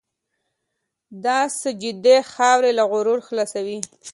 د سجدې خاورې له غرور خلاصوي.